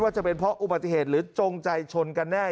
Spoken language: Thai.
จะเป็นเพราะอุบัติเหตุหรือจงใจชนกันแน่